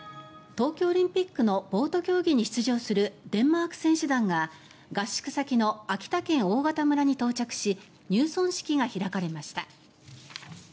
東京オリンピックのボート競技に出場するデンマーク選手団が合宿先の秋田県大潟村に到着し入村式が開かれました。